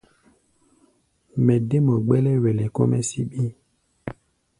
Mɛ dé mɔ gbɛ́lɛ́wɛlɛ kɔ́-mɛ́ síɓí.